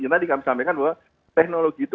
tadi kami sampaikan bahwa teknologi itu